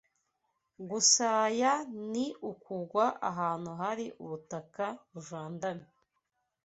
Gusaya ni ukugwa ahantu hari ubutaka bujandamye